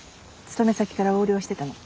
勤め先から横領してたの。